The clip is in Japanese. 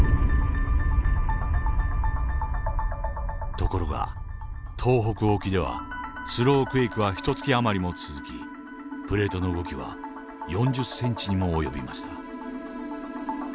ところが東北沖ではスロークエイクは１か月余りも続きプレートの動きは４０ｃｍにも及びました。